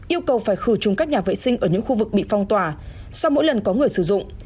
yêu cầu phải khử trùng các nhà vệ sinh ở những khu vực bị phong tỏa sau mỗi lần có người sử dụng